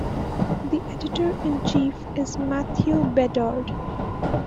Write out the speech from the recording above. The Editor in Chief is Matthew Bedard.